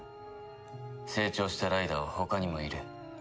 成長したライダーは他にもいる。